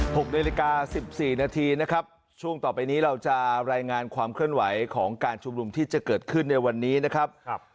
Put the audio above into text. ๖นาฬิกา๑๔นาทีช่วงต่อไปนี้เราจะรายงานความเครื่องไหวของการชุมนุมที่จะเกิดขึ้นในวันนี้นะครับ